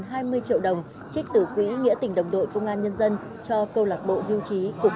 hai mươi triệu đồng trích từ quỹ nghĩa tỉnh đồng đội công an nhân dân cho câu lạc bộ hưu trí cục